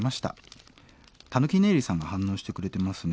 たぬき寝入りさんが反応してくれてますね。